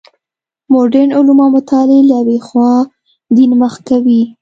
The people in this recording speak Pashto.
مډرن علوم او مطالعې له یوې خوا دین مخ کوي.